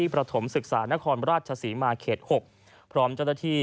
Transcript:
ประถมศึกษานครราชศรีมาเขต๖พร้อมเจ้าหน้าที่